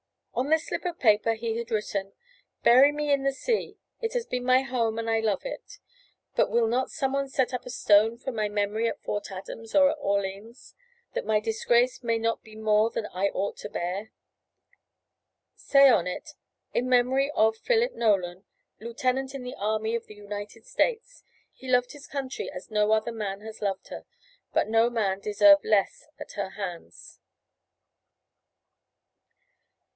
On this slip of paper he had written: "Bury me in the sea; it has been my home, and I love it. But will not someone set up a stone for my memory at Fort Adams or at Orleans, that my disgrace may not be more than I ought to bear? Say on it: "In Memory of "PHILIP NOLAN, "Lieutenant in the Army of the United States. "He loved his country as no other man has loved her; but no man deserved less at her hands."